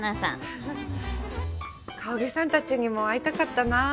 フフッ香さんたちにも会いたかったな。